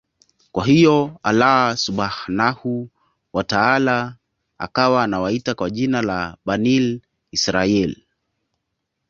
Kwa hiyo Allaah Subhaanahu wa Taala akawa Anawaita kwa jina la Bani Israaiyl